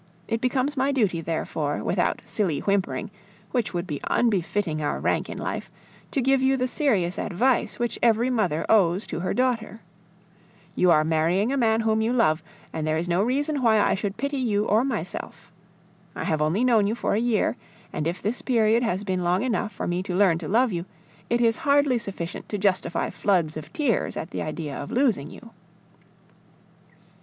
It becomes my duty, therefore, without silly whimpering, which would be unfitting our rank in life, to give you the serious advice which every mother owes to her daughter. You are marrying a man whom you love, and there is no reason why I should pity you or myself. I have only known you for a year; and if this period has been long enough for me to learn to love you, it is hardly sufficient to justify floods of tears at the idea of losing you.